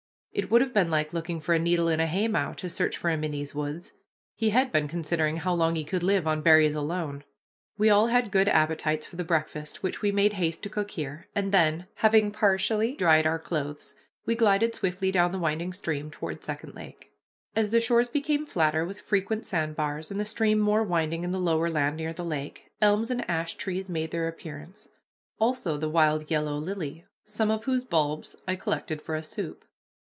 It would have been like looking for a needle in a haymow to search for him in these woods. He had been considering how long he could live on berries alone. We all had good appetites for the breakfast which we made haste to cook here, and then, having partially dried our clothes, we glided swiftly down the winding stream toward Second Lake. As the shores became flatter with frequent sandbars, and the stream more winding in the lower land near the lake, elms and ash trees made their appearance; also the wild yellow lily, some of whose bulbs I collected for a soup.